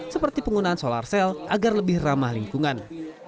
seperti penggunaan solar cell agar lebih ramah lingkungan